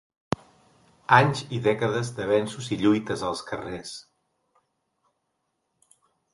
Anys i dècades d’avenços i lluites als carrers.